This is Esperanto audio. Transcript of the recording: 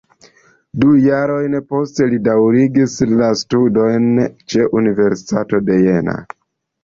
Du jarojn poste li daŭrigis la studojn ĉe Universitato de Jena.